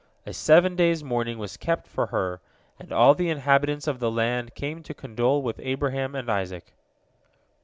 A seven days' mourning was kept for her, and all the inhabitants of the land came to condole with Abraham and Isaac.